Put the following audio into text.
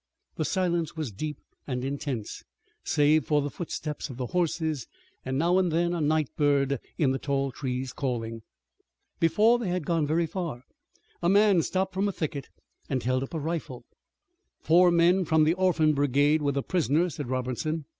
The silence was deep and intense, save for the footsteps of the horses and now and then a night bird in the tall trees calling. Before they had gone far a man stepped from a thicket and held up a rifle. "Four men from the Orphan Brigade with a prisoner," said Robertson.